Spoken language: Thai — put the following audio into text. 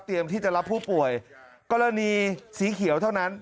ที่จะรับผู้ป่วยกรณีสีเขียวเท่านั้น